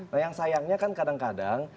nah yang sayangnya kan kadang kadang